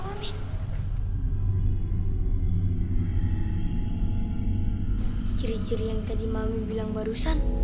ciri ciri tadi yang mami bilang barusan